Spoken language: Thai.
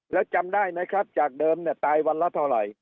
แล้วจำได้ไหมครับจากเดิมเนี่ยตายวันละเท่าไหร่